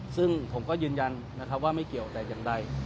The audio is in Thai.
ซึ่งผมก็ยืนยันนะครับว่าไม่เกี่ยวแต่อย่างใด